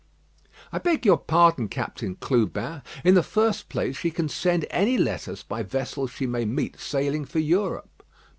"I beg your pardon, Captain Clubin. In the first place, she can send any letters by vessels she may meet sailing for Europe."